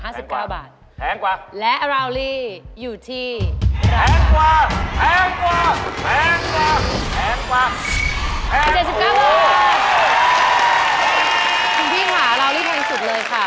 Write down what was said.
คุณพิงคะเรารีบแทนกสุดเลยค่ะ